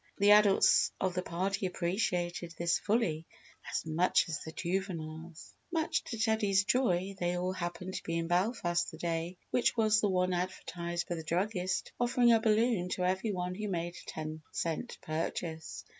The adults of the party appreciated this fully as much as the juveniles. Much to Teddy's joy, they all happened to be in Belfast the day which was the one advertised by the druggist offering a balloon to every one who made a ten cent purchase.